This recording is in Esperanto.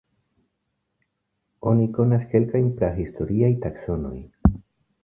Oni konas kelkajn prahistoriaj taksonoj.